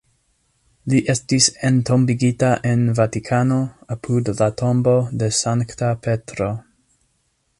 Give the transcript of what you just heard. Li estis entombigita en Vatikano, apud la tombo de Sankta Petro.